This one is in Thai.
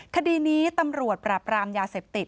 คดีนี้ตำรวจปราบรามยาเสพติด